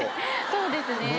そうですね。